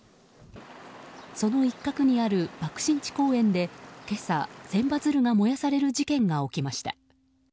その一角にある爆心地公園で今朝、千羽鶴が燃やされる事件が起きました。